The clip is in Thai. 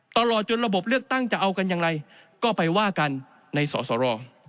ตลอดจนระบบเลือกตั้งจะเอากันอย่างไรก็ไปว่ากันในสอสร